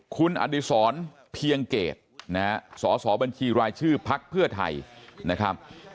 คุณอดิษรเพียงเกตนะฮะสสบัญชีรายชื่อพักเพื่อไทยนะครับ